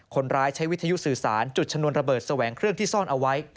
คนร้ายใช้วิทยุสื่อสารจุดชนวนระเบิดแสวงเครื่องที่ซ่อนเอาไว้